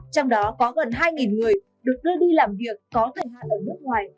trong đó có gần hai người được đưa đi làm việc có thời hạn ở nước ngoài